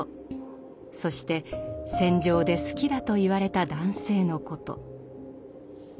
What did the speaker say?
そして戦場で「好きだ」と言われた男性のこと。